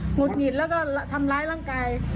ุดหงิดแล้วก็ทำร้ายร่างกาย